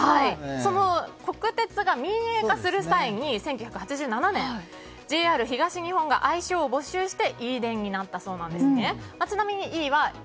その国鉄が民営化する前に１９８７年ＪＲ東日本が愛称を募集してＥ電になったそうです。